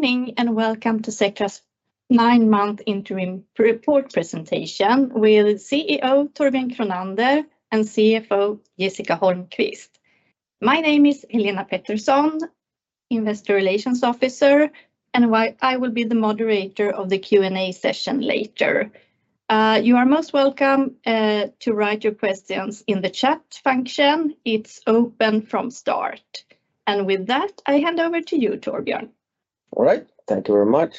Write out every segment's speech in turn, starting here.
Good morning and welcome to Sectra's nine-month interim report presentation with CEO Torbjörn Kronander and CFO Jessica Holmquist. My name is Helena Pettersson, Investor Relations Officer, and I will be the moderator of the Q&A session later. You are most welcome to write your questions in the chat function. It's open from start. With that, I hand over to you, Torbjörn. All right, thank you very much.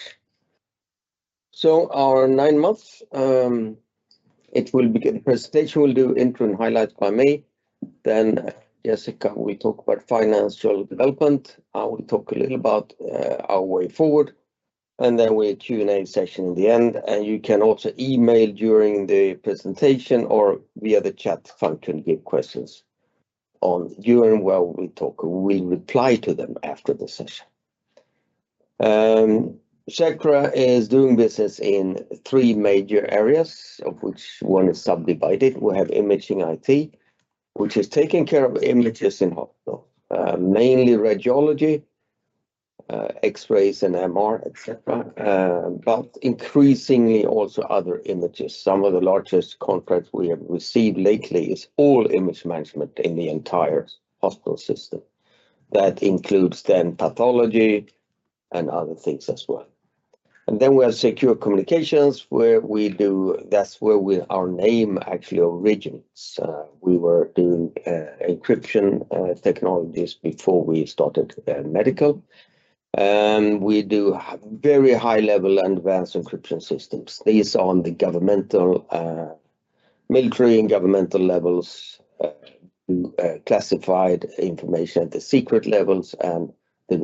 So our nine-month presentation will do intro and highlights by me, then Jessica will talk about financial development, we'll talk a little about our way forward, and then we'll do a Q&A session at the end. And you can also email during the presentation or via the chat function to give questions on during while we talk; we'll reply to them after the session. Sectra is doing business in three major areas, of which one is subdivided. We have imaging IT, which is taking care of images in hospitals, mainly radiology, X-rays and MR, etc., but increasingly also other images. Some of the largest contracts we have received lately are all image management in the entire hospital system. That includes then pathology and other things as well. And then we have Secure Communications, where we do, that's where our name actually originates. We were doing encryption technologies before we started medical. We do very high-level and advanced encryption systems. These are on the governmental, military and governmental levels, classified information at the secret levels and the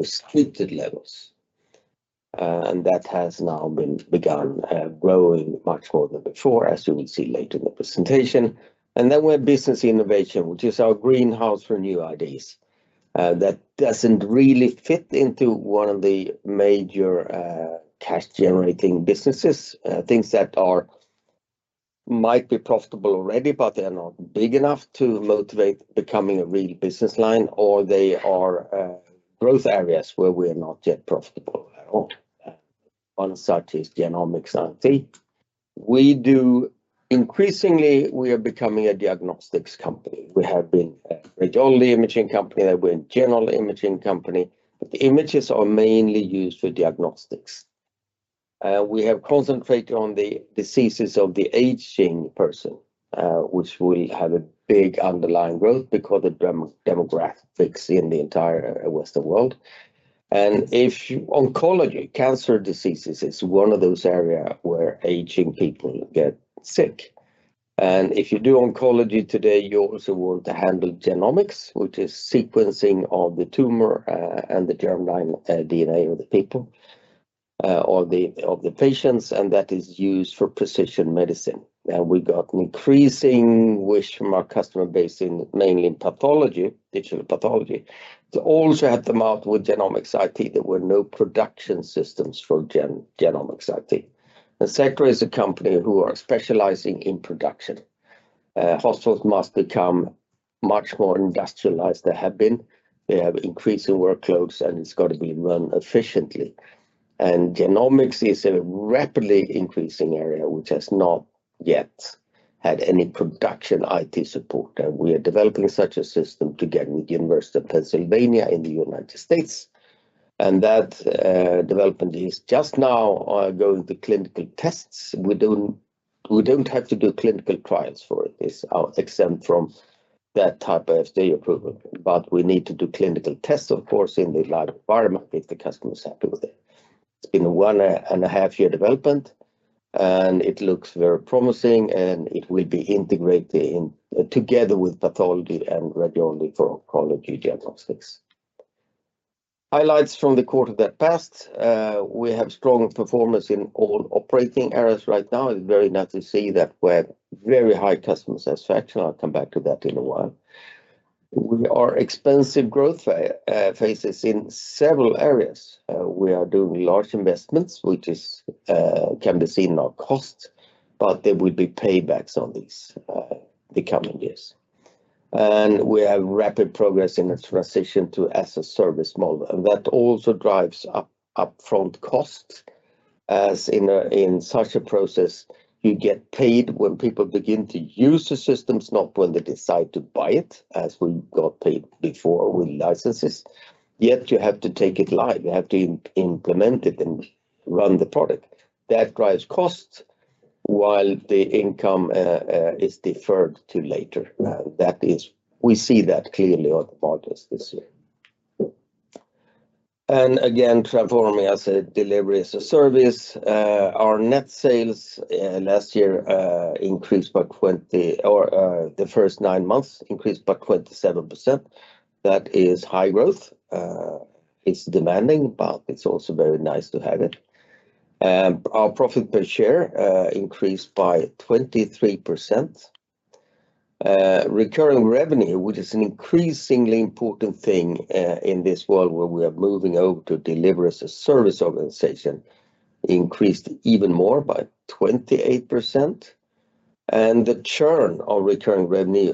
restricted levels. That has now been begun, growing much more than before, as you will see later in the presentation. Then we have Business Innovation, which is our greenhouse for new ideas. That doesn't really fit into one of the major cash-generating businesses, things that might be profitable already but they're not big enough to motivate becoming a real business line, or they are growth areas where we are not yet profitable at all. One such is Genomics IT. We do, increasingly, we are becoming a diagnostics company. We have been a radiology imaging company, then we're a general imaging company, but the images are mainly used for diagnostics. We have concentrated on the diseases of the aging person, which will have a big underlying growth because of demographics in the entire Western world. Oncology, cancer diseases, is one of those areas where aging people get sick. If you do oncology today, you also want to handle genomics, which is sequencing of the tumor and the germline DNA of the people, of the patients, and that is used for precision medicine. We've got an increasing wish from our customer base mainly in pathology, digital pathology, to also have them out with genomics IT. There were no production systems for genomics IT. Sectra is a company who is specializing in production. Hospitals must become much more industrialized than they have been. They have increasing workloads, and it's got to be run efficiently. Genomics is a rapidly increasing area which has not yet had any production IT support. We are developing such a system together with the University of Pennsylvania in the United States. That development is just now going to clinical tests. We don't have to do clinical trials for it. It's exempt from that type of FDA approval. But we need to do clinical tests, of course, in the live environment if the customer is happy with it. It's been one and a half-year development, and it looks very promising, and it will be integrated together with pathology and radiology for oncology diagnostics. Highlights from the quarter that passed. We have strong performance in all operating areas right now. It's very nice to see that we have very high customer satisfaction. I'll come back to that in a while. We are experiencing growth phases in several areas. We are doing large investments, which can be seen in our costs, but there will be paybacks on these in the coming years. And we have rapid progress in the transition to as-a-service model. And that also drives upfront costs, as in such a process, you get paid when people begin to use the systems, not when they decide to buy it, as we got paid before with licenses. Yet you have to take it live. You have to implement it and run the product. That drives costs while the income is deferred to later. We see that clearly on the margins this year. And again, transforming as a delivery as a service. Our net sales last year increased by 20%. The first nine months increased by 27%. That is high growth. It's demanding, but it's also very nice to have it. Our profit per share increased by 23%. Recurring revenue, which is an increasingly important thing in this world where we are moving over to deliver as a service organization, increased even more by 28%. And the churn of recurring revenue,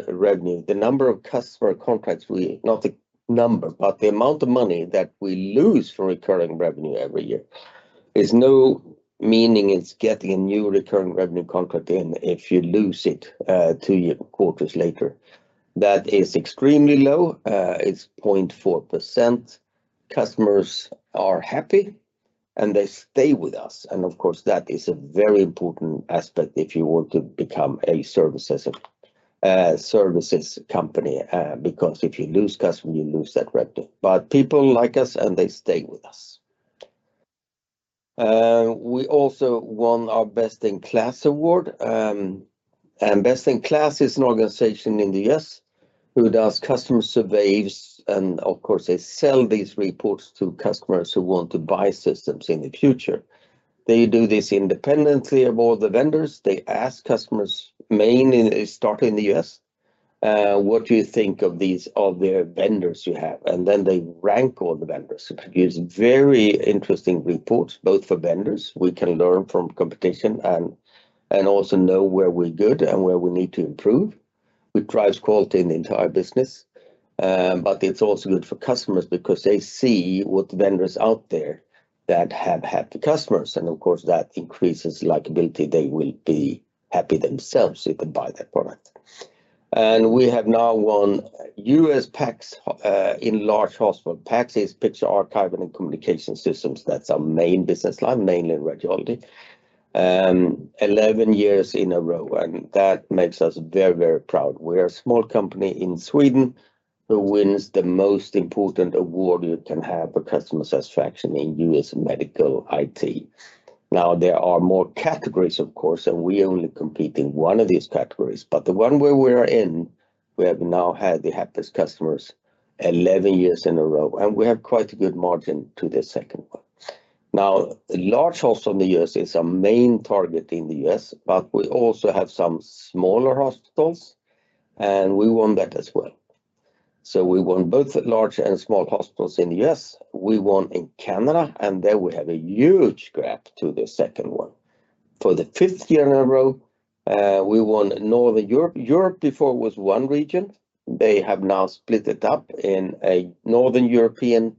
the number of customer contracts we—not the number, but the amount of money that we lose from recurring revenue every year. It's low, meaning it's getting a new recurring revenue contract in if you lose it two quarters later. That is extremely low. It's 0.4%. Customers are happy, and they stay with us. And of course, that is a very important aspect if you want to become a services company because if you lose customers, you lose that revenue. But people like us, and they stay with us. We also won our Best in KLAS award. Best in KLAS is an organization in the U.S. who does customer surveys and, of course, they sell these reports to customers who want to buy systems in the future. They do this independently of all the vendors. They ask customers, mainly starting in the U.S., "What do you think of their vendors you have?" Then they rank all the vendors. It produces very interesting reports, both for vendors. We can learn from competition and also know where we're good and where we need to improve. It drives quality in the entire business. But it's also good for customers because they see what vendors out there that have had the customers. Of course, that increases likability. They will be happy themselves if they buy that product. We have now won U.S. PACS in large hospitals. PACS is Picture Archiving and Communication Systems. That's our main business line, mainly in radiology, 11 years in a row. That makes us very, very proud. We are a small company in Sweden who wins the most important award you can have for customer satisfaction in U.S. medical IT. Now, there are more categories, of course, and we only compete in one of these categories. The one where we are in, we have now had the happiest customers 11 years in a row. And we have quite a good margin to the second one. Now, large hospitals in the U.S. is our main target in the U.S., but we also have some smaller hospitals, and we won that as well. We won both large and small hospitals in the U.S. We won in Canada, and there we have a huge gap to the second one. For the fifth year in a row, we won Northern Europe. Europe before was one region. They have now split it up in Northern European,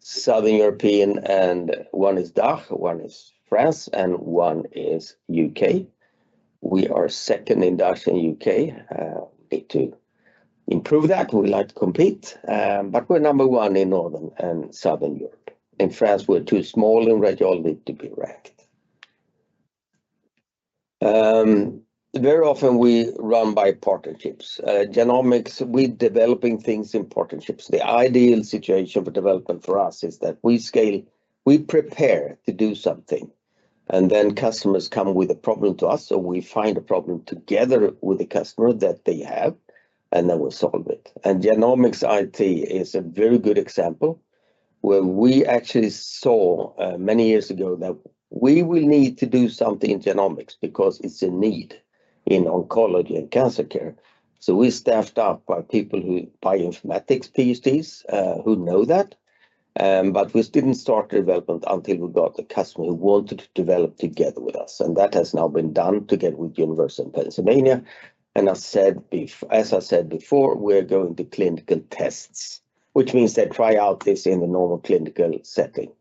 Southern European, and one is DACH, one is France, and one is U.K. We are second in DACH and U.K. We need to improve that. We like to compete, but we're number one in Northern and Southern Europe. In France, we're too small in radiology to be ranked. Very often, we run by partnerships. Genomics, we're developing things in partnerships. The ideal situation for development for us is that we scale, we prepare to do something, and then customers come with a problem to us, or we find a problem together with the customer that they have, and then we solve it. Genomics IT is a very good example where we actually saw many years ago that we will need to do something in genomics because it's a need in oncology and cancer care. We staffed up bioinformatics PhDs who know that. We didn't start the development until we got the customer who wanted to develop together with us. That has now been done together with the University of Pennsylvania. As I said before, we're going to clinical tests, which means they try out this in the normal clinical setting.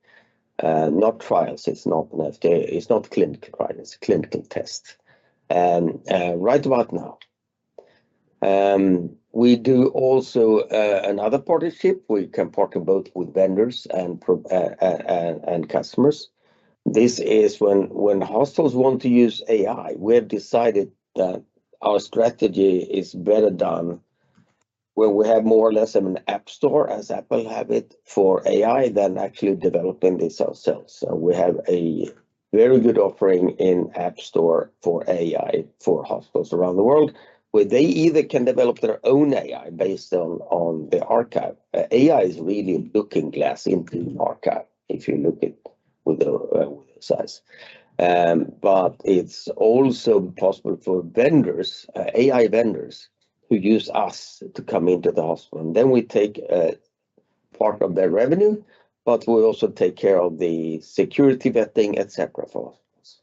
Not trials. It's not an FDA. It's not clinical trials. It's a clinical test. Right about now, we do also another partnership. We can partner both with vendors and customers. This is when hospitals want to use AI. We have decided that our strategy is better done where we have more or less an app store, as Apple have it, for AI than actually developing this ourselves. So we have a very good offering in app store for AI for hospitals around the world, where they either can develop their own AI based on the archive. AI is really looking glass into an archive, if you look at with their size. But it's also possible for vendors, AI vendors, who use us to come into the hospital. And then we take part of their revenue, but we also take care of the security vetting, etc., for hospitals.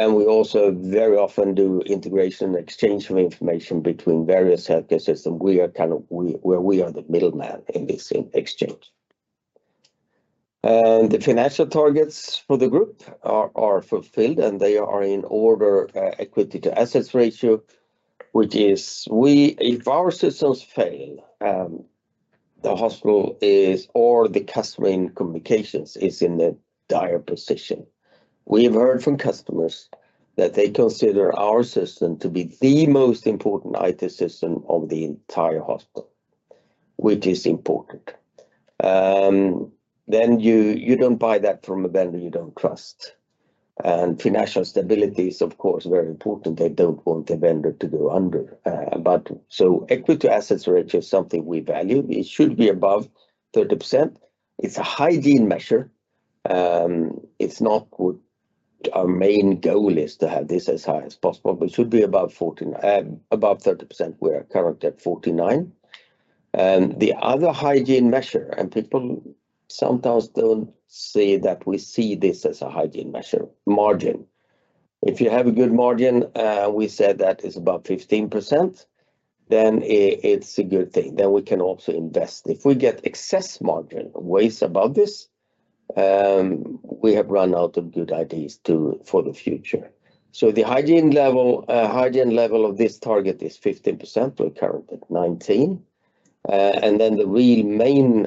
And we also very often do integration and exchange of information between various healthcare systems. We are kind of where we are the middleman in this exchange. The financial targets for the group are fulfilled, and they are in order equity to assets ratio, which is if our systems fail, the hospital is, or the customer in communications is in a dire position. We have heard from customers that they consider our system to be the most important IT system of the entire hospital, which is important. Then you don't buy that from a vendor you don't trust. And financial stability is, of course, very important. They don't want the vendor to go under. So equity to assets ratio is something we value. It should be above 30%. It's a hygiene measure. It's not what our main goal is, to have this as high as possible, but it should be above 30%. We are currently at 49%. The other hygiene measure, and people sometimes don't see that we see this as a hygiene measure, margin. If you have a good margin, we said that is above 15%, then it's a good thing. Then we can also invest. If we get excess margin ways above this, we have run out of good ideas for the future. So the hygiene level of this target is 15%. We're currently at 19%. And then the real main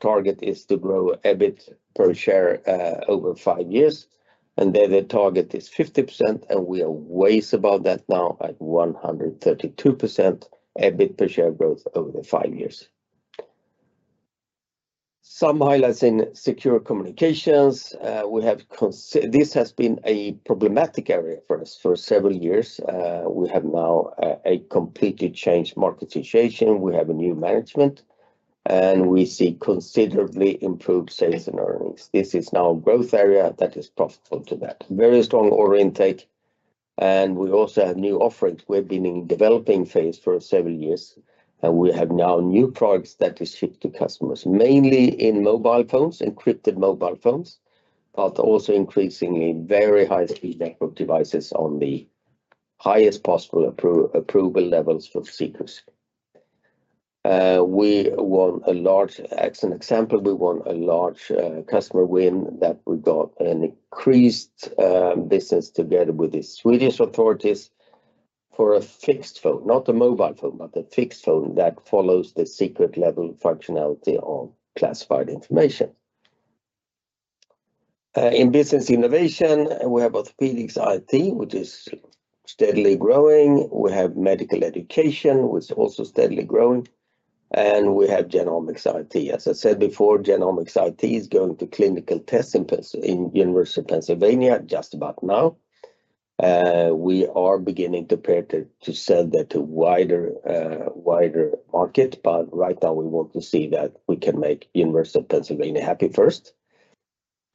target is to grow EBIT per share over five years. And there the target is 50%, and we are ways above that now at 132% EBIT per share growth over the five years. Some highlights in Secure Communications. This has been a problematic area for us for several years. We have now a completely changed market situation. We have a new management, and we see considerably improved sales and earnings. This is now a growth area that is profitable to that. Very strong order intake. And we also have new offerings. We have been in the developing phase for several years, and we have now new products that are shipped to customers, mainly in mobile phones, encrypted mobile phones, but also increasingly very high-speed network devices on the highest possible approval levels for secrets. As an example, we won a large customer win that we got an increased business together with the Swedish authorities for a fixed phone, not a mobile phone, but a fixed phone that follows the secret level functionality of classified information. In Business Innovation, we have Orthopedics IT, which is steadily growing. We have Medical Education, which is also steadily growing. We have genomics IT. As I said before, genomics IT is going to clinical tests in the University of Pennsylvania just about now. We are beginning to prepare to sell that to a wider market, but right now we want to see that we can make the University of Pennsylvania happy first.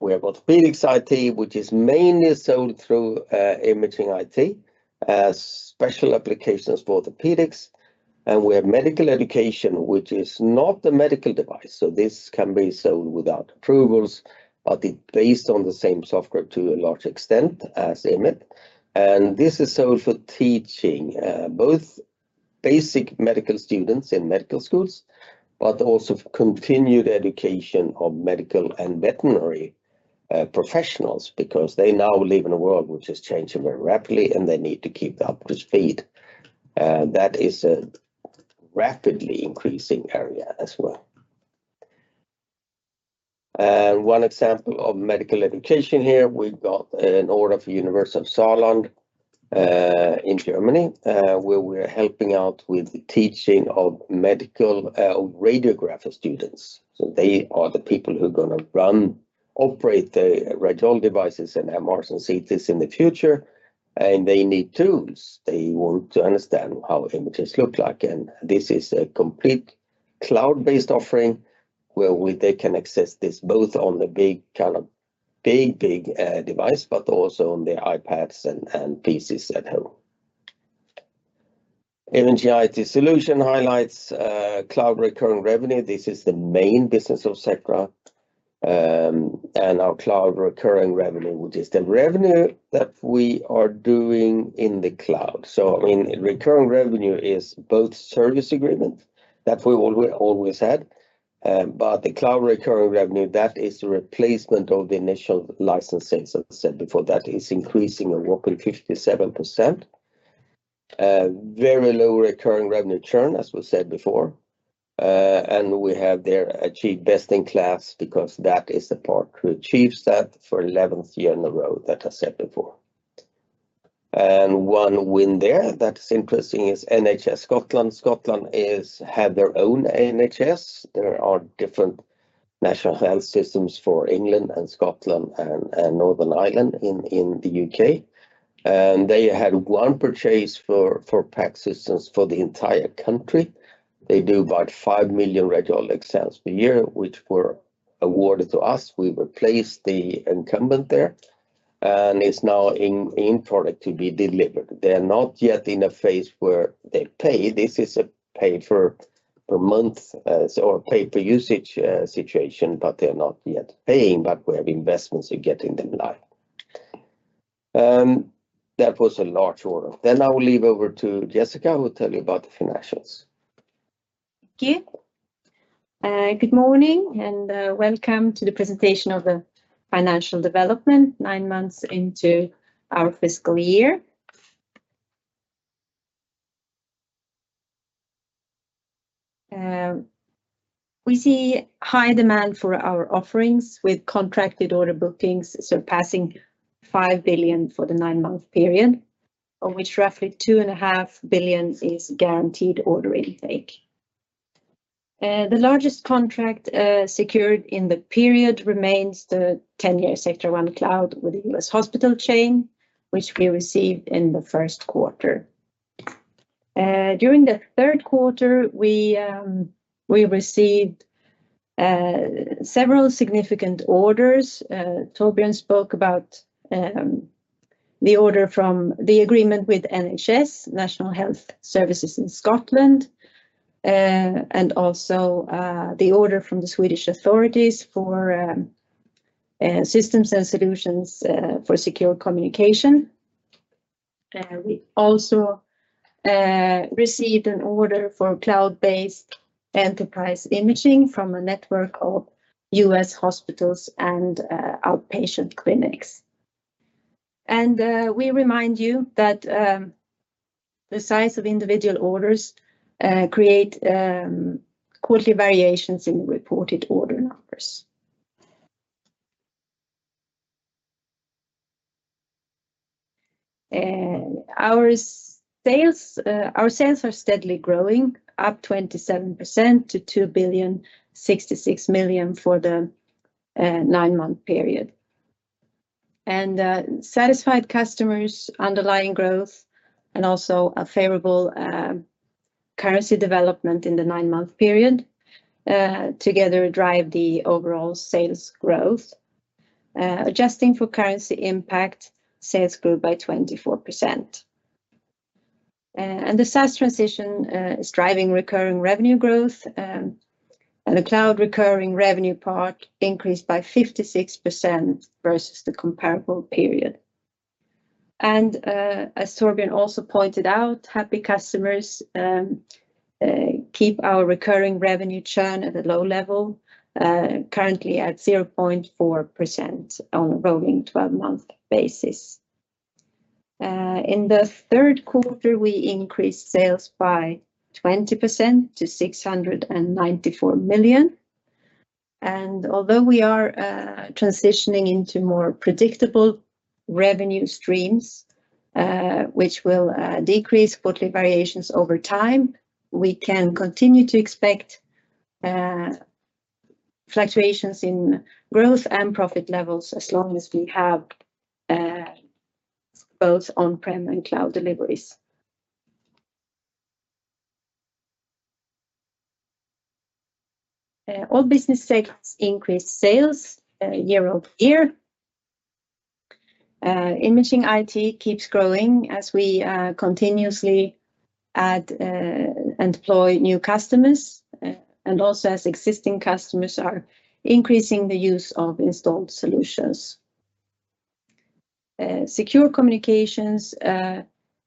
We have Orthopedics IT, which is mainly sold through Imaging IT, special applications for orthopedics. We have Medical Education, which is not a medical device. So this can be sold without approvals, but it's based on the same software to a large extent as IMIT. This is sold for teaching both basic medical students in medical schools, but also continued education of medical and veterinary professionals because they now live in a world which is changing very rapidly, and they need to keep up to speed. That is a rapidly increasing area as well. One example of Medical Education here, we got an order for the University of Saarland in Germany, where we are helping out with the teaching of radiographer students. So they are the people who are going to run, operate the radiology devices and MRs and CTs in the future. And they need tools. They want to understand how images look like. And this is a complete cloud-based offering where they can access this both on the big kind of big, big device, but also on their iPads and PCs at home. Imaging IT solution highlights cloud recurring revenue. This is the main business of Sectra. And our cloud recurring revenue, which is the revenue that we are doing in the cloud. So, I mean, recurring revenue is both service agreement that we always had. The cloud recurring revenue, that is the replacement of the initial licensing, as I said before. That is increasing a whopping 57%. Very low recurring revenue churn, as we said before. We have there achieved Best in KLAS because that is the part who achieves that for 11th year in a row, that I said before. One win there that is interesting is NHS Scotland. Scotland has their own NHS. There are different national health systems for England and Scotland and Northern Ireland in the U.K. They had one purchase for PACS systems for the entire country. They do about five million radiologic exams per year, which were awarded to us. We replaced the incumbent there, and it's now in production to be delivered. They're not yet in a phase where they pay. This is a pay-per-month or pay-per-usage situation, but they're not yet paying. We have investments in getting them live. That was a large order. I will leave over to Jessica, who will tell you about the financials. Thank you. Good morning and welcome to the presentation of the financial development nine months into our fiscal year. We see high demand for our offerings with contracted order bookings surpassing 5 billion for the nine-month period, of which roughly 2.5 billion is guaranteed order intake. The largest contract secured in the period remains the 10-year Sectra One Cloud with the U.S. hospital chain, which we received in the first quarter. During the third quarter, we received several significant orders. Torbjörn spoke about the order from the agreement with NHS, National Health Services in Scotland, and also the order from the Swedish authorities for systems and solutions for secure communication. We also received an order for cloud-based enterprise imaging from a network of U.S. hospitals and outpatient clinics. We remind you that the size of individual orders creates quarterly variations in reported order numbers. Our sales are steadily growing, up 27% to 2,066 million for the nine-month period. Satisfied customers, underlying growth, and also a favorable currency development in the nine-month period together drive the overall sales growth. Adjusting for currency impact, sales grew by 24%. The SaaS transition is driving recurring revenue growth, and the cloud recurring revenue part increased by 56% versus the comparable period. As Torbjörn also pointed out, happy customers keep our recurring revenue churn at a low level, currently at 0.4% on a rolling 12-month basis. In the third quarter, we increased sales by 20% to 694 million. Although we are transitioning into more predictable revenue streams, which will decrease quarterly variations over time, we can continue to expect fluctuations in growth and profit levels as long as we have both on-prem and cloud deliveries. All business sectors increase sales year-over-year. Imaging IT keeps growing as we continuously add and deploy new customers, and also as existing customers are increasing the use of installed solutions. Secure communications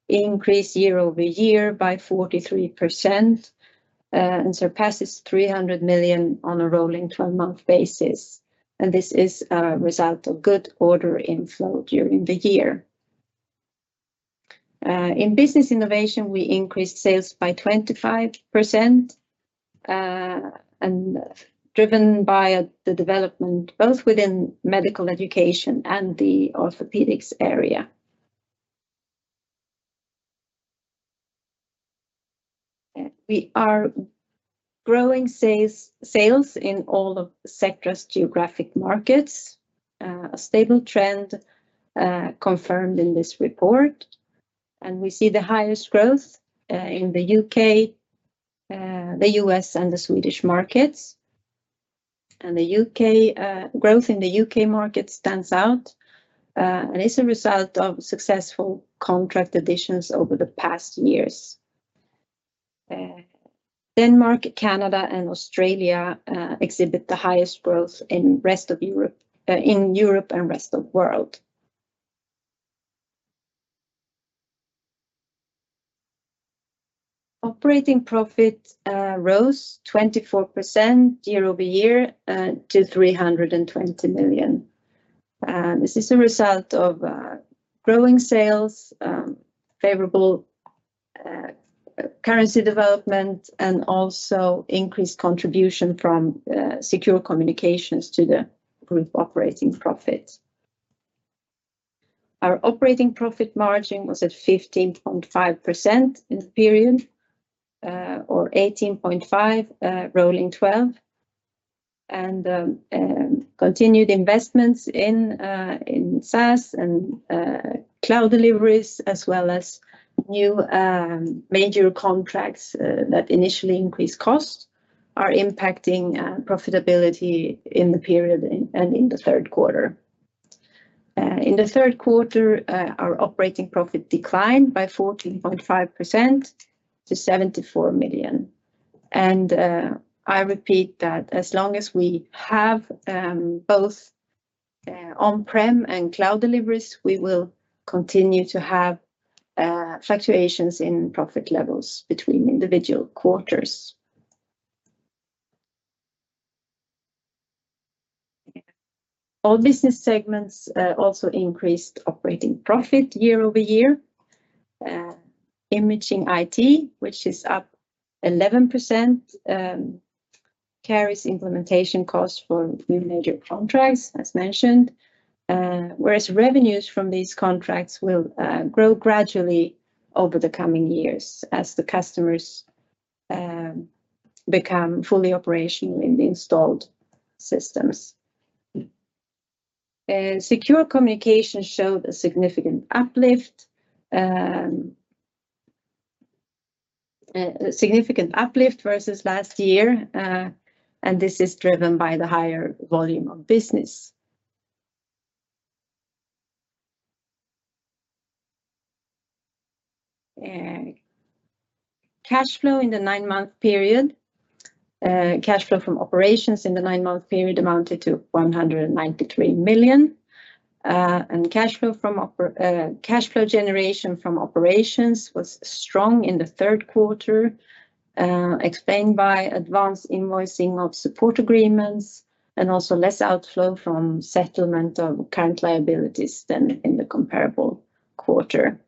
increase year-over-year by 43% and surpasses 300 million on a rolling 12-month basis. And this is a result of good order inflow during the year. In business innovation, we increased sales by 25% and driven by the development both within Medical Education and the orthopedics area. We are growing sales in all of Sectra's geographic markets, a stable trend confirmed in this report. We see the highest growth in the U.K., the U.S., and the Swedish markets. The growth in the U.K. market stands out and is a result of successful contract additions over the past years. Denmark, Canada, and Australia exhibit the highest growth in Europe and rest of the world. Operating profit rose 24% year-over-year to 320 million. This is a result of growing sales, favorable currency development, and also increased contribution from Secure Communications to the group operating profit. Our operating profit margin was at 15.5% in the period or 18.5% rolling 12%. Continued investments in SaaS and cloud deliveries, as well as new major contracts that initially increased cost, are impacting profitability in the period and in the third quarter. In the third quarter, our operating profit declined by 14.5% to 74 million. I repeat that as long as we have both on-prem and cloud deliveries, we will continue to have fluctuations in profit levels between individual quarters. All business segments also increased operating profit year-over-year. Imaging IT, which is up 11%, carries implementation costs for new major contracts, as mentioned, whereas revenues from these contracts will grow gradually over the coming years as the customers become fully operational in the installed systems. Secure communication showed a significant uplift versus last year. This is driven by the higher volume of business. Cash flow in the nine-month period, cash flow from operations in the nine-month period amounted to 193 million. Cash flow generation from operations was strong in the third quarter, explained by advanced invoicing of support agreements and also less outflow from settlement of current liabilities than in the comparable quarter.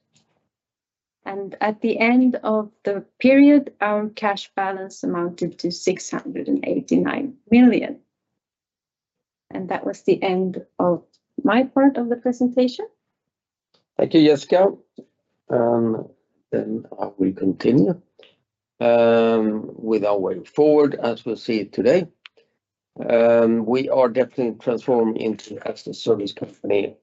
At the end of the period, our cash balance amounted to 689 million. That was the end of my part of the presentation. Thank you, Jessica. Then I will continue with our way forward as we'll see it today. We are definitely transforming into a SaaS service company,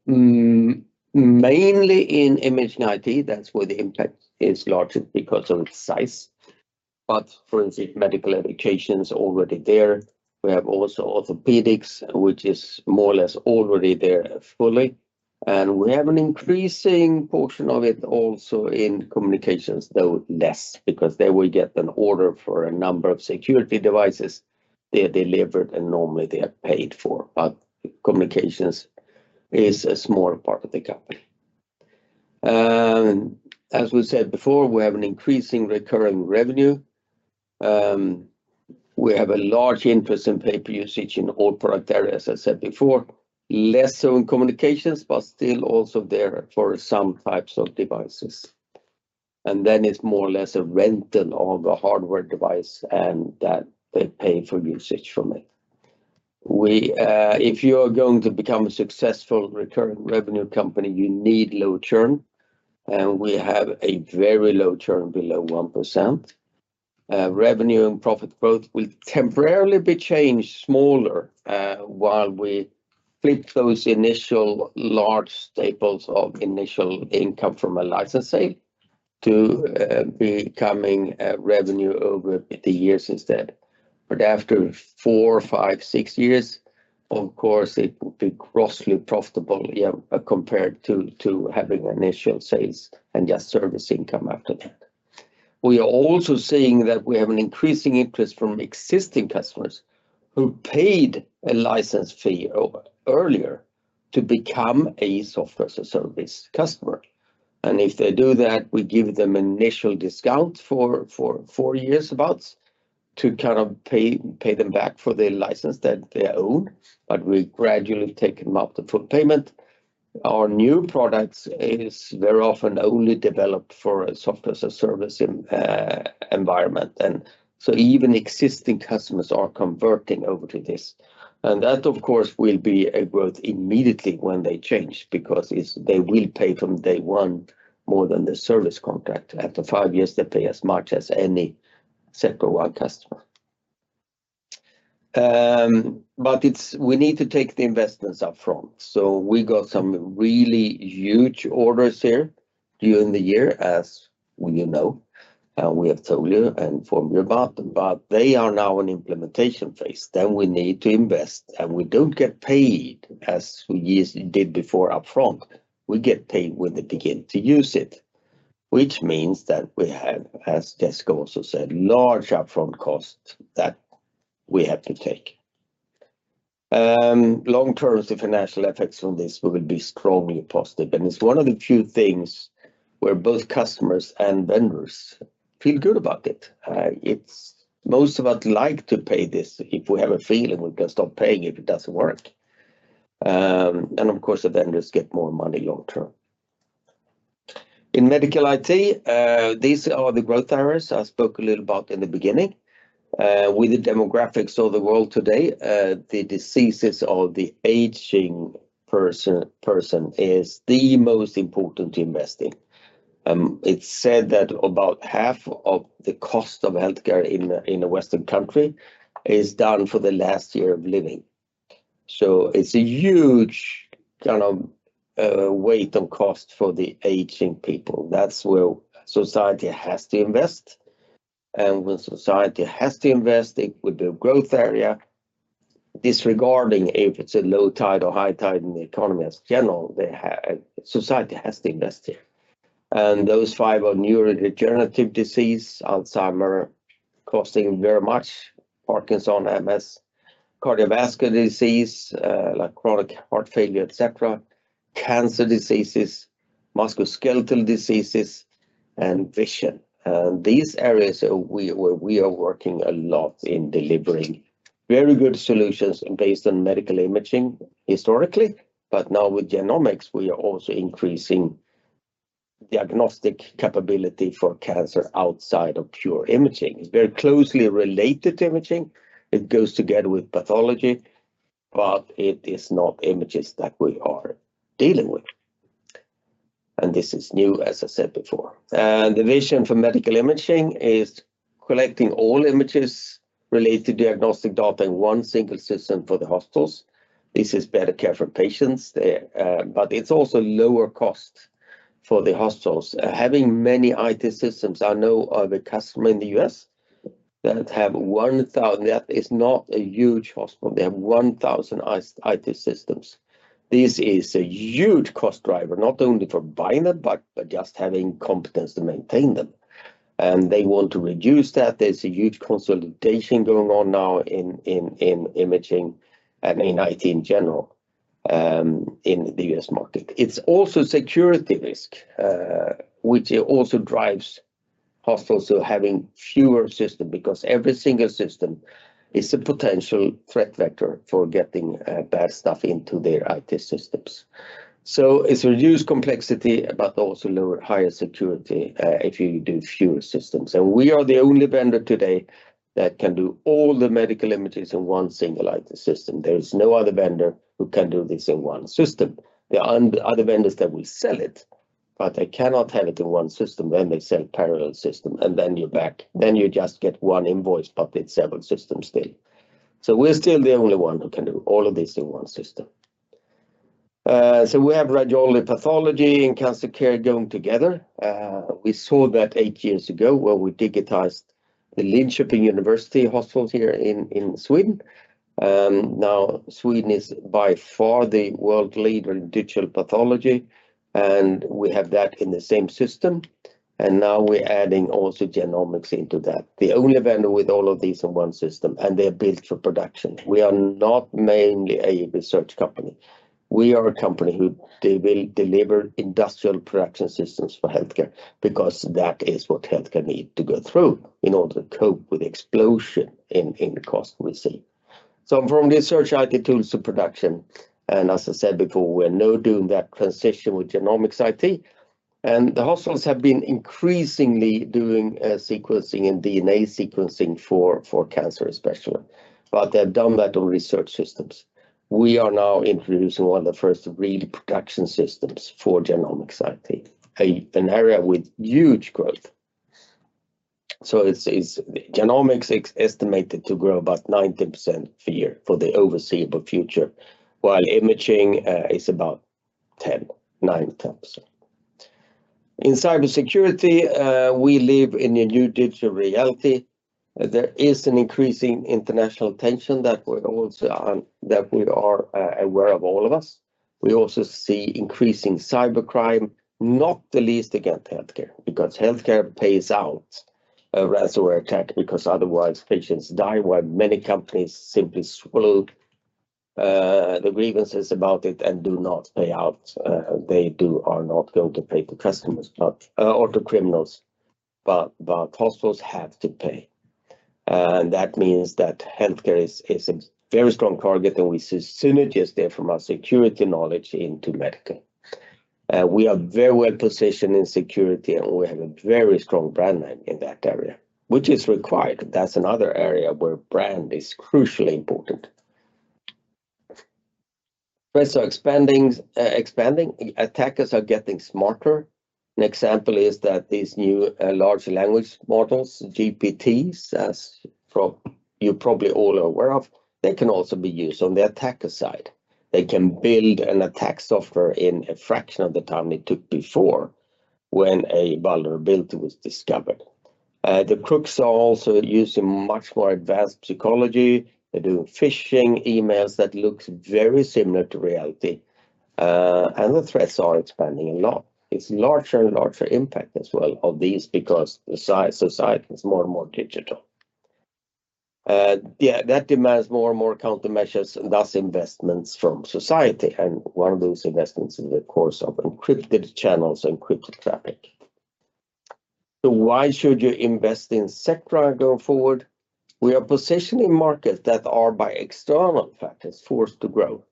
mainly in imaging IT. That's where the impact is largest because of its size. But for instance, Medical Education is already there. We have also orthopedics, which is more or less already there fully. And we have an increasing portion of it also in communications, though less, because there we get an order for a number of security devices they're delivered, and normally they are paid for. But communications is a smaller part of the company. As we said before, we have an increasing recurring revenue. We have a large interest in pay-per usage in all product areas, as said before, less so in communications, but still also there for some types of devices. Then it's more or less a rental of a hardware device and that they pay for usage from it. If you are going to become a successful recurring revenue company, you need low churn. We have a very low churn below 1%. Revenue and profit growth will temporarily be changed smaller while we flip those initial large sales of initial income from a license sale to becoming revenue over the years instead. After four, five, six years, of course, it will be grossly profitable compared to having initial sales and just service income after that. We are also seeing that we have an increasing interest from existing customers who paid a license fee earlier to become a software as a service customer. And if they do that, we give them initial discounts for four years about to kind of pay them back for the license that they own. But we gradually take them up to full payment. Our new products are very often only developed for a software as a service environment. And so even existing customers are converting over to this. And that, of course, will be a growth immediately when they change because they will pay from day one more than the service contract. After five years, they pay as much as any Sectra One customer. But we need to take the investments upfront. So we got some really huge orders here during the year, as we know. We have told you and informed you about them. But they are now in implementation phase. We need to invest. We don't get paid as we did before upfront. We get paid when they begin to use it, which means that we have, as Jessica also said, large upfront costs that we have to take. Long-term, the financial effects from this will be strongly positive. It's one of the few things where both customers and vendors feel good about it. Most of us like to pay this if we have a feeling we can stop paying if it doesn't work. Of course, the vendors get more money long-term. In medical IT, these are the growth areas I spoke a little about in the beginning. With the demographics of the world today, the diseases of the aging person is the most important to invest in. It's said that about half of the cost of healthcare in a Western country is done for the last year of living. So it's a huge kind of weight on cost for the aging people. That's where society has to invest. And when society has to invest, it will be a growth area. Disregarding if it's a low tide or high tide in the economy as general, society has to invest here. Those five are neurodegenerative disease, Alzheimer's costing very much, Parkinson, MS, cardiovascular disease like chronic heart failure, etc., cancer diseases, musculoskeletal diseases, and vision. These areas where we are working a lot in delivering very good solutions based on medical imaging historically. But now with genomics, we are also increasing diagnostic capability for cancer outside of pure imaging. It's very closely related to imaging. It goes together with pathology, but it is not images that we are dealing with. This is new, as I said before. The vision for medical imaging is collecting all images related to diagnostic data in one single system for the hospitals. This is better care for patients, but it's also lower cost for the hospitals. Having many IT systems, I know of a customer in the U.S. that have 1,000 that is not a huge hospital. They have 1,000 IT systems. This is a huge cost driver, not only for buying them, but just having competence to maintain them. They want to reduce that. There's a huge consolidation going on now in imaging and in IT in general in the U.S. market. It's also a security risk, which also drives hospitals to having fewer systems because every single system is a potential threat vector for getting bad stuff into their IT systems. So it's reduced complexity, but also higher security if you do fewer systems. We are the only vendor today that can do all the medical images in one single IT system. There is no other vendor who can do this in one system. The other vendors that will sell it, but they cannot have it in one system. Then they sell parallel systems, and then you're back. Then you just get one invoice, but it's several systems still. So we're still the only one who can do all of this in one system. So we have radiology pathology and cancer care going together. We saw that eight years ago when we digitized the Linköping University hospitals here in Sweden. Now, Sweden is by far the world leader in digital pathology. We have that in the same system. Now we're adding also genomics into that, the only vendor with all of these in one system. They're built for production. We are not mainly a research company. We are a company who deliver industrial production systems for healthcare because that is what healthcare needs to go through in order to cope with the explosion in cost we see. From research IT tools to production, and as I said before, we're now doing that transition with genomics IT. The hospitals have been increasingly doing sequencing and DNA sequencing for cancer, especially. But they've done that on research systems. We are now introducing one of the first real production systems for genomics IT, an area with huge growth. So genomics is estimated to grow about 90% per year for the foreseeable future, while imaging is about 10%, 90%. In cybersecurity, we live in a new digital reality. There is an increasing international tension that we are aware of all of us. We also see increasing cybercrime, not the least against healthcare because healthcare pays out a ransomware attack because otherwise patients die. Why many companies simply swallow the grievances about it and do not pay out. They are not going to pay to customers or to criminals, but hospitals have to pay. And that means that healthcare is a very strong target. And we synergize there from our security knowledge into medical. We are very well positioned in security, and we have a very strong brand name in that area, which is required. That's another area where brand is crucially important. Threats are expanding. Attackers are getting smarter. An example is that these new large language models, GPTs, as you probably all are aware of, they can also be used on the attacker side. They can build an attack software in a fraction of the time it took before when a vulnerability was discovered. The crooks are also using much more advanced psychology. They're doing phishing emails that look very similar to reality. The threats are expanding a lot. It's larger and larger impact as well of these because the society is more and more digital. That demands more and more countermeasures and thus investments from society. One of those investments is, of course, encrypted channels and encrypted traffic. Why should you invest in Sectra going forward? We are positioned in markets that are by external factors forced to grow.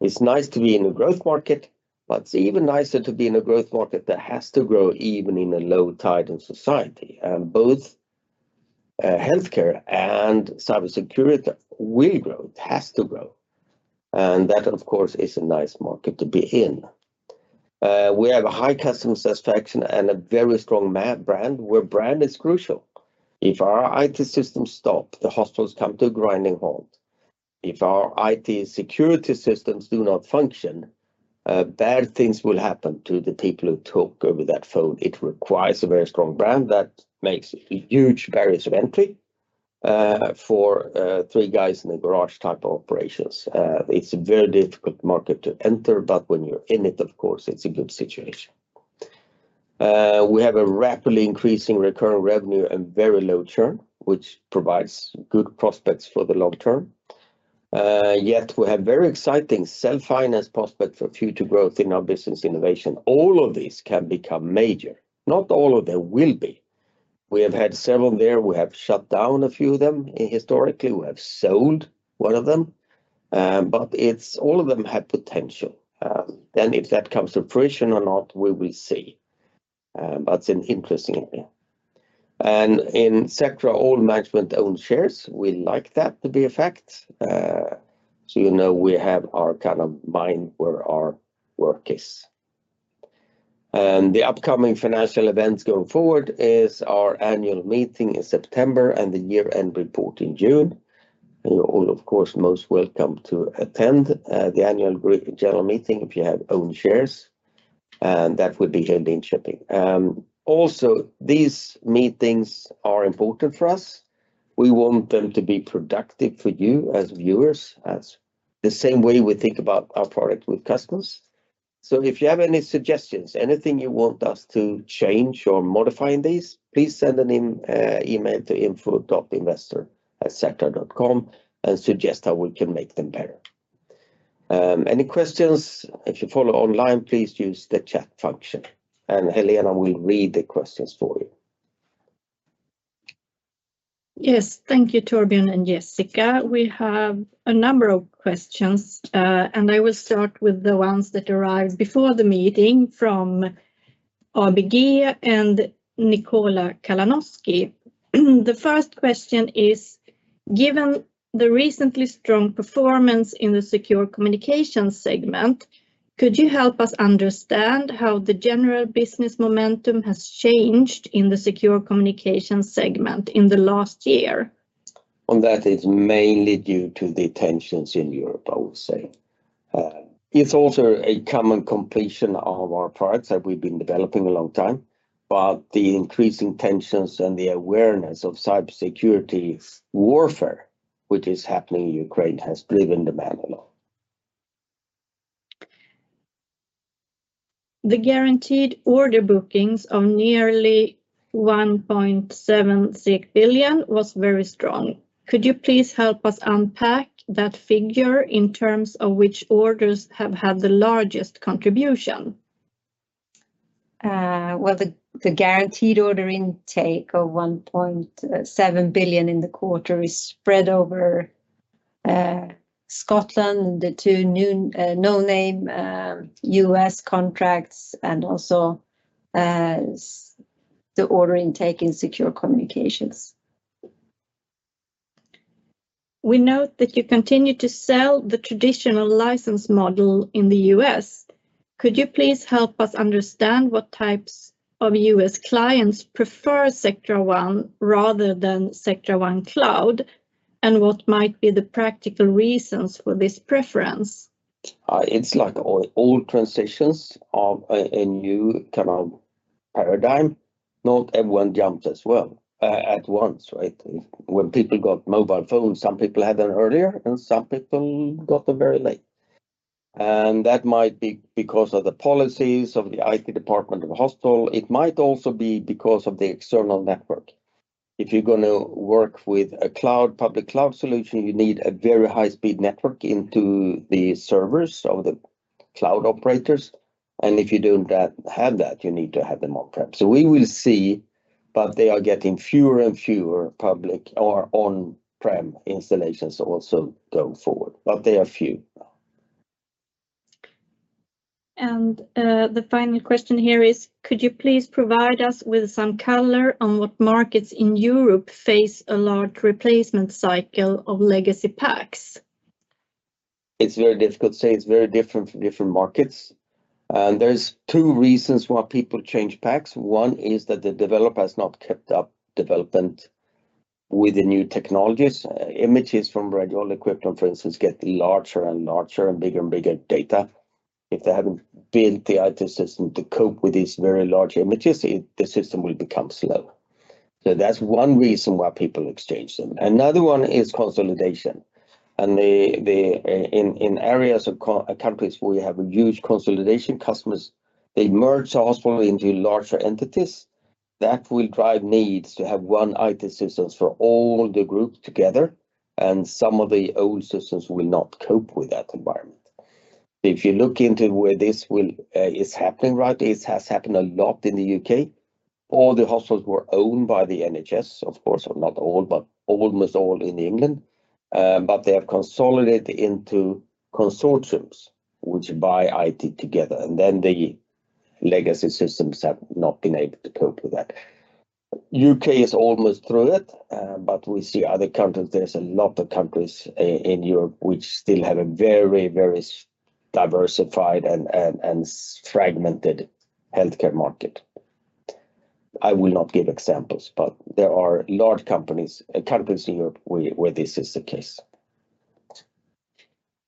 It's nice to be in a growth market, but it's even nicer to be in a growth market that has to grow even in a low tide in society. Both healthcare and cybersecurity will grow. It has to grow. That, of course, is a nice market to be in. We have a high customer satisfaction and a very strong brand where brand is crucial. If our IT systems stop, the hospitals come to a grinding halt. If our IT security systems do not function, bad things will happen to the people who talk over that phone. It requires a very strong brand. That makes huge barriers of entry for three guys in the garage type of operations. It's a very difficult market to enter, but when you're in it, of course, it's a good situation. We have a rapidly increasing recurring revenue and very low churn, which provides good prospects for the long term. Yet we have very exciting self-finance prospects for future growth in our business innovation. All of these can become major. Not all of them will be. We have had several there. We have shut down a few of them historically. We have sold one of them. But all of them have potential. Then if that comes to fruition or not, we will see. But it's an interesting area. And in Sectra, all management own shares. We like that to be a fact. So you know we have our kind of mind where our work is. And the upcoming financial events going forward is our annual meeting in September and the year-end report in June. You're all, of course, most welcome to attend the annual general meeting if you have own shares. That will be held in Linköping. Also, these meetings are important for us. We want them to be productive for you as viewers, as the same way we think about our product with customers. So if you have any suggestions, anything you want us to change or modify in these, please send an email to info.investor@sectra.com and suggest how we can make them better. Any questions, if you follow online, please use the chat function. Helena, we'll read the questions for you. Yes. Thank you, Torbjörn and Jessica. We have a number of questions. I will start with the ones that arrived before the meeting from ABG and Nikola Kalanoski. The first question is, given the recently strong performance in the Secure Communications segment, could you help us understand how the general business momentum has changed in the Secure Communications segment in the last year? On that, it's mainly due to the tensions in Europe, I would say. It's also a common completion of our products that we've been developing a long time. But the increasing tensions and the awareness of cybersecurity warfare, which is happening in Ukraine, has driven demand a lot. The guaranteed order bookings of nearly 1.76 billion was very strong. Could you please help us unpack that figure in terms of which orders have had the largest contribution? Well, the guaranteed order intake of 1.7 billion in the quarter is spread over Scotland, the two no-name U.S. contracts, and also the order intake in Secure Communications. We note that you continue to sell the traditional license model in the U.S. Could you please help us understand what types of U.S. clients prefer Sectra One rather than Sectra One Cloud and what might be the practical reasons for this preference? It's like all transitions of a new kind of paradigm. Not everyone jumped as well at once, right? When people got mobile phones, some people had them earlier and some people got them very late. That might be because of the policies of the IT department of the hospital. It might also be because of the external network. If you're going to work with a public cloud solution, you need a very high-speed network into the servers of the cloud operators. If you don't have that, you need to have them on-prem. So we will see, but they are getting fewer and fewer public or on-prem installations also going forward. But they are few. And the final question here is, could you please provide us with some color on what markets in Europe face a large replacement cycle of legacy PACS? It's very difficult to say. It's very different for different markets. And there's two reasons why people change PACS. One is that the developer has not kept up development with the new technologies. Images from radiology CT, for instance, get larger and larger and bigger and bigger data. If they haven't built the IT system to cope with these very large images, the system will become slow. So that's one reason why people exchange them. Another one is consolidation. And in areas of countries where we have a huge consolidation, customers, they merge the hospital into larger entities. That will drive needs to have one IT system for all the group together. Some of the old systems will not cope with that environment. If you look into where this is happening right, it has happened a lot in the U.K. All the hospitals were owned by the NHS, of course, or not all, but almost all in England. They have consolidated into consortiums, which buy IT together. Then the legacy systems have not been able to cope with that. The U.K. is almost through it, but we see other countries. There's a lot of countries in Europe which still have a very, very diversified and fragmented healthcare market. I will not give examples, but there are large companies, countries in Europe where this is the case.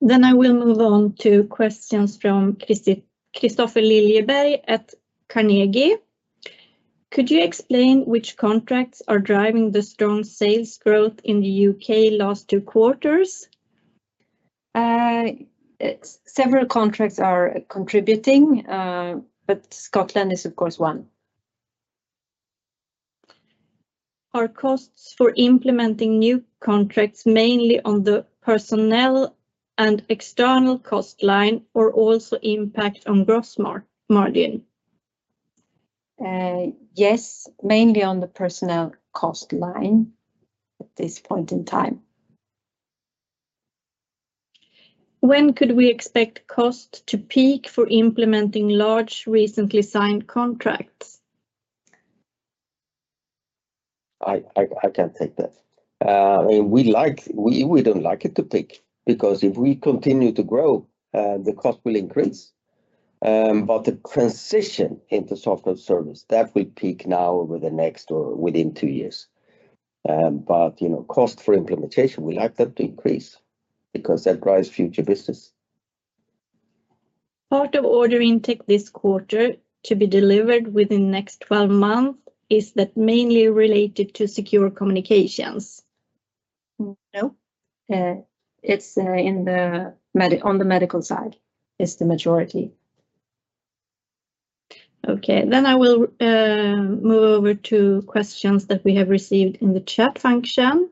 I will move on to questions from Kristofer Liljeberg at Carnegie. Could you explain which contracts are driving the strong sales growth in the U.K. last two quarters? Several contracts are contributing, but Scotland is, of course, one. Are costs for implementing new contracts mainly on the personnel and external cost line or also impact on gross margin? Yes, mainly on the personnel cost line at this point in time. When could we expect costs to peak for implementing large recently signed contracts? I can't take that. We don't like it to peak because if we continue to grow, the cost will increase. The transition into software service, that will peak now over the next or within two years. Cost for implementation, we like that to increase because that drives future business. Part of order intake this quarter to be delivered within the next 12 months is that mainly related to Secure Communications? No. It's on the medical side is the majority. Okay. Then I will move over to questions that we have received in the chat function.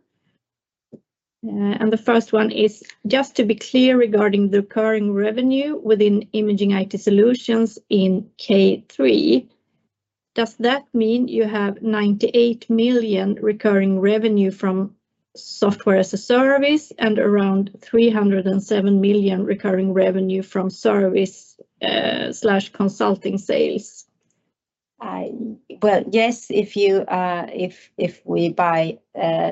The first one is, just to be clear regarding the recurring revenue within Imaging IT Solutions in Q3, does that mean you have 98 million recurring revenue from software as a service, and around 307 million recurring revenue from service/consulting sales? Well, yes, if by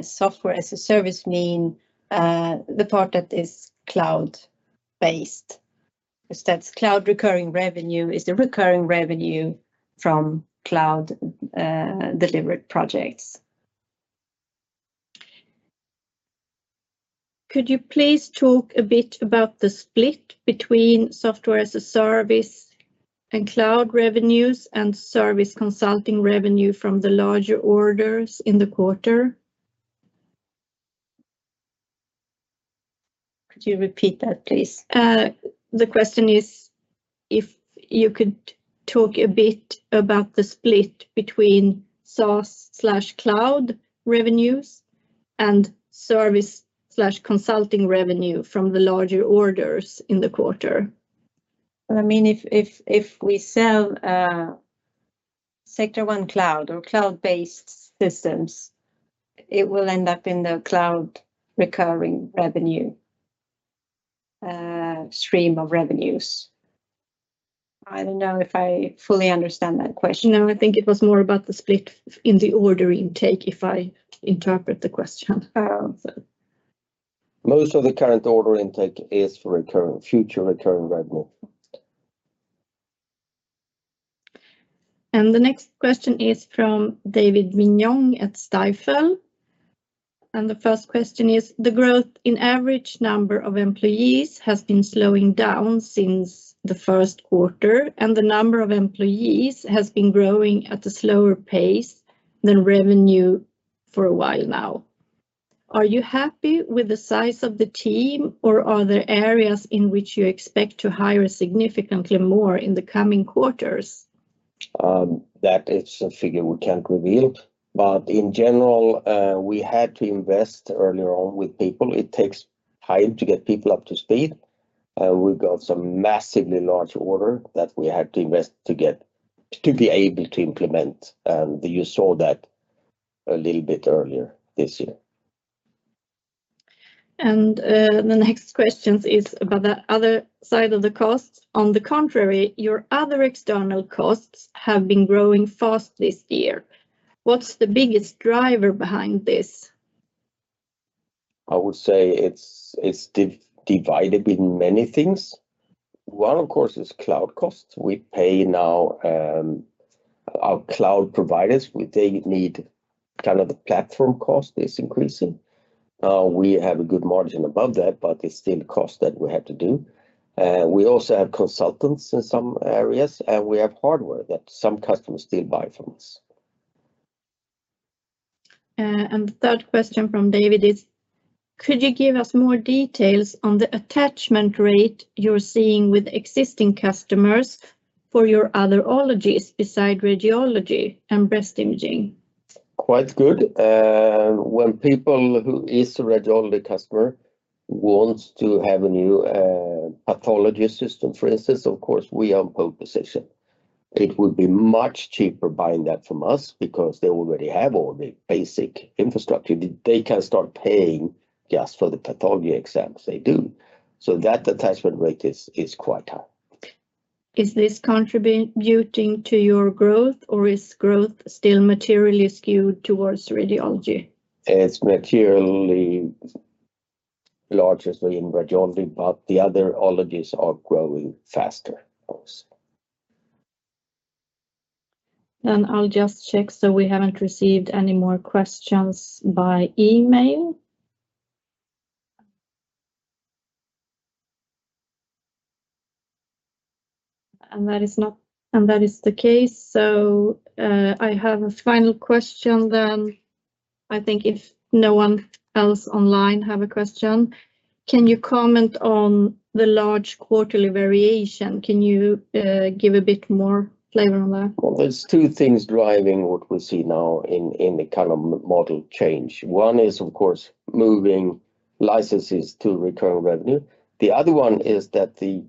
software as a service we mean the part that is cloud-based. Because that's cloud recurring revenue is the recurring revenue from cloud-delivered projects. Could you please talk a bit about the split between software as a service and cloud revenues and service consulting revenue from the larger orders in the quarter? Could you repeat that, please? The question is if you could talk a bit about the split between SaaS/cloud revenues and service/consulting revenue from the larger orders in the quarter. I mean, if we sell Sectra One Cloud or cloud-based systems, it will end up in the cloud recurring revenue stream of revenues. I don't know if I fully understand that question. No, I think it was more about the split in the order intake if I interpret the question. Most of the current order intake is for future recurring revenue. And the next question is from David Mignon at Stifel. And the first question is, the growth in average number of employees has been slowing down since the first quarter, and the number of employees has been growing at a slower pace than revenue for a while now. Are you happy with the size of the team, or are there areas in which you expect to hire significantly more in the coming quarters? That is a figure we can't reveal. But in general, we had to invest earlier on with people. It takes time to get people up to speed. We got some massively large order that we had to invest to be able to implement. And you saw that a little bit earlier this year. And the next question is about the other side of the costs. On the contrary, your other external costs have been growing fast this year. What's the biggest driver behind this? I would say it's divided in many things. One, of course, is cloud costs. We pay now our cloud providers. They need kind of the platform cost is increasing. We have a good margin above that, but it's still costs that we have to do. We also have consultants in some areas, and we have hardware that some customers still buy from us. And the third question from David is, could you give us more details on the attachment rate you're seeing with existing customers for your other modalities besides radiology and breast imaging? Quite good. When people who are a radiology customer want to have a new pathology system, for instance, of course, we are in a pole position. It would be much cheaper buying that from us because they already have all the basic infrastructure. They can start paying just for the pathology exams they do. So that attachment rate is quite high. Is this contributing to your growth, or is growth still materially skewed towards radiology? It's materially larger in radiology, but the otherologies are growing faster, I would say. Then I'll just check so we haven't received any more questions by email. And that is not, and that is the case. So I have a final question then. I think if no one else online has a question, can you comment on the large quarterly variation? Can you give a bit more flavor on that? Well, there's two things driving what we see now in the kind of model change. One is, of course, moving licenses to recurring revenue. The other one is that the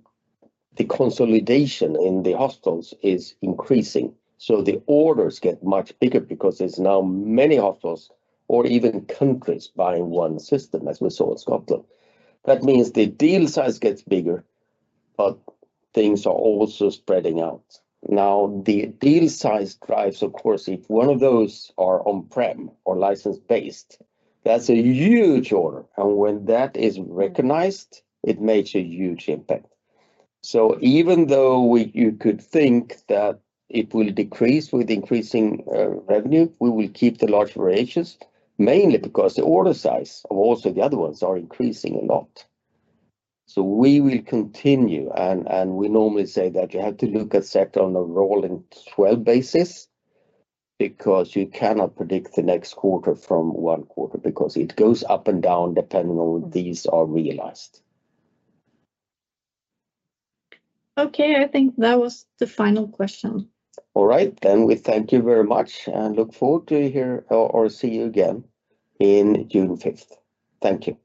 consolidation in the hospitals is increasing. So the orders get much bigger because there's now many hospitals or even countries buying one system, as we saw in Scotland. That means the deal size gets bigger, but things are also spreading out. Now, the deal size drives, of course, if one of those are on-prem or license-based, that's a huge order. And when that is recognized, it makes a huge impact. So even though you could think that it will decrease with increasing revenue, we will keep the large variations, mainly because the order size of also the other ones are increasing a lot. So we will continue. And we normally say that you have to look at Sectra on a rolling 12 basis because you cannot predict the next quarter from one quarter because it goes up and down depending on when these are realized. Okay. I think that was the final question. All right. Then we thank you very much and look forward to hear or see you again on June 5th. Thank you.